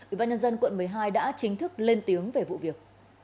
ủy ban nhân dân quận một mươi hai đã chính thức lên tiếng về vụ việc